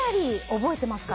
覚えてますか？